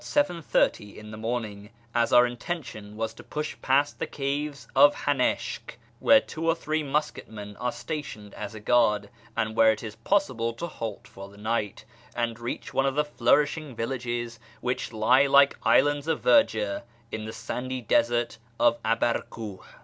30 in the morning, as our in tention was to push past the caves of Hanishk (where two or three musket men are stationed as a guard, and where it is possible to halt for the night) and reach one of the flourishing villages which lie like islands of verdure in the sandy desert of Abarkiih.